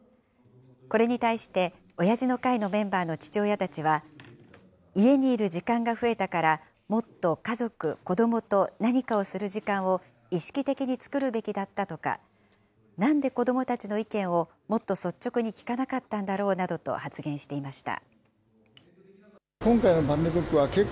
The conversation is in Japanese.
これに対して、おやじの会のメンバーの父親たちは、家にいる時間が増えたからもっと家族、子どもと何かをする時間を意識的に作るべきだったとか、なんで子どもたちの意見をもっと率直に聞かなかったんだろうなどと発言していました。